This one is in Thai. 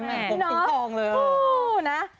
ผมติ๊งทองเลย